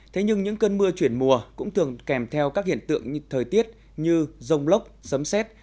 thế nhưng những cơn mưa chuyển mùa cũng thường kèm theo các hiện tượng thời tiết như rông lốc sấm xét